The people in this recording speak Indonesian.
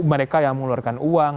mereka yang mengeluarkan uang